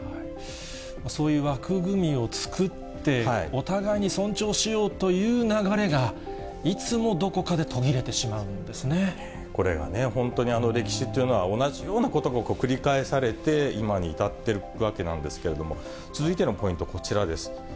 そういう枠組みを作って、お互いに尊重しようという流れが、いつもどこかでとぎれてしまうんこれがね、本当に歴史というのは、同じようなことが繰り返されて、今に至っているわけなんですけれども、続いてのポイント、こちらです。